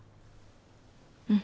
うん。